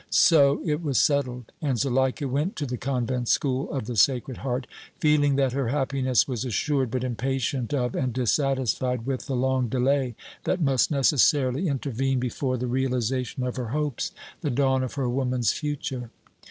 So it was settled, and Zuleika went to the convent school of the Sacred Heart, feeling that her happiness was assured, but impatient of and dissatisfied with the long delay that must necessarily intervene before the realization of her hopes, the dawn of her woman's future.